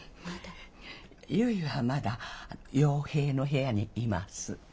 ゆいはまだ陽平の部屋にいます。